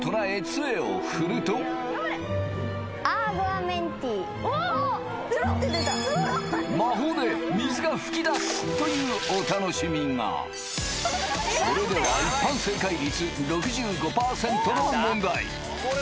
チョロっと出た魔法で水が噴き出すというお楽しみがそれでは一般正解率６５％の問題